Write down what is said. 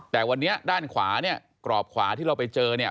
แต่วันนี้ด้านขวาเนี่ยกรอบขวาที่เราไปเจอเนี่ย